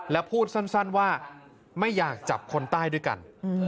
และพูดสั้นว่าไม่อยากจับคนใต้ด้วยกัน